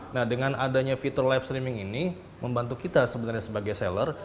nah dengan adanya fitur live streaming ini membantu kita sebenarnya sebagai seller